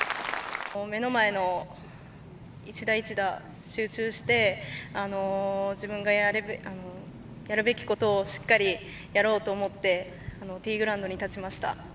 目の前の一打一打、集中して、自分がやるべきことをしっかりやろうと思って、ティーグラウンドに立ちました。